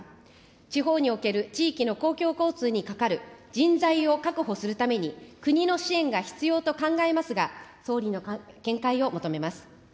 地方における地域の公共交通にかかる人材を確保するために、国の支援が必要と考えますが、総理の見解を求めます。